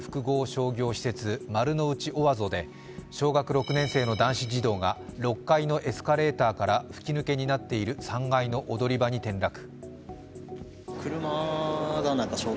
商業施設・丸の内オアゾで小学６年生の男子児童が６階のエスカレーターから吹き抜けになっている３階の踊り場に転落。